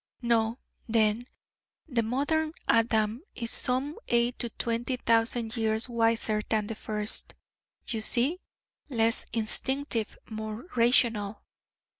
No, then: the modern Adam is some eight to twenty thousand years wiser than the first you see? less instinctive, more rational.